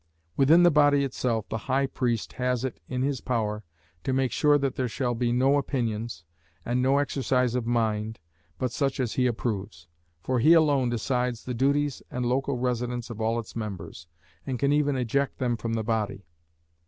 Within the body itself, the High Priest has it in his power to make sure that there shall be no opinions, and no exercise of mind, but such as he approves; for he alone decides the duties and local residence of all its members, and can even eject them from the body.